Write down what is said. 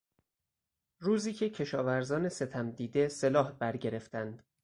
روزی که کشاورزان ستم دیده سلاح برگرفتند